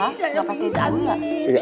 jangan pakai gula